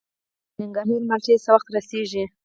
د ننګرهار مالټې څه وخت رسیږي؟